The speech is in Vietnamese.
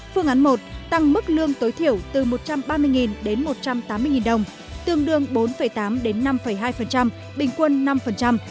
phương án một tăng mức lương tối thiểu từ một trăm ba mươi đến một trăm tám mươi đồng tương đương bốn tám đến năm hai bình quân năm